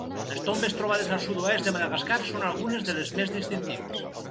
Les tombes trobades al sud-oest de Madagascar són algunes de les més distintives.